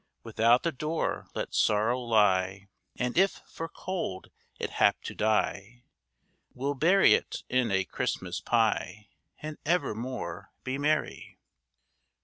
Without the door let sorrow lie, And if, for cold, it hap to die, We'll bury't in a Christmas pye, And evermore be merry.